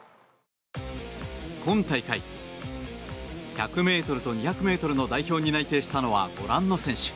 今大会１００ｍと２００ｍの代表に内定したのはご覧の選手。